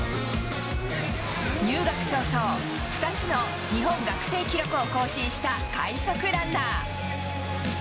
入学早々、２つの日本学生記録を更新した快足ランナー。